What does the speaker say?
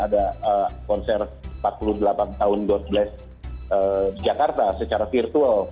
ada konser empat puluh delapan tahun god bless jakarta secara virtual